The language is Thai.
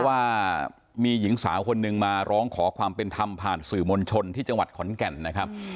ว่ามีหญิงสาวคนนึงมาร้องขอความเป็นธรรมผ่านสื่อมวลชนที่จังหวัดขอนแก่นนะครับ